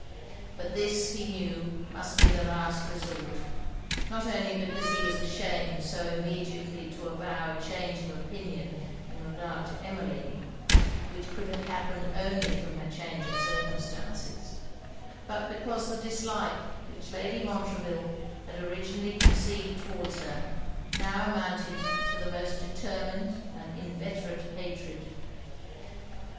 But this, he knew, must be the last resort; not only because he was ashamed so immediately to avow a change of opinion in regard to Emmeline, which could have happened only from her change of circumstances, but because the dislike which Lady Montreville had originally conceived towards her, now amounted to the most determined and inveterate hatred.